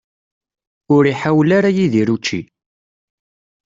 Ur iḥawel ara Yidir učči.